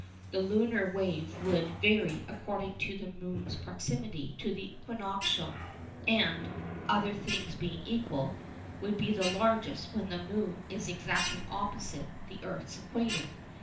The lunar wave would vary according to the moon's proximity to the equinoctial; and (other things being equal) would be largest when the moon is exactly opposite the earth's equator.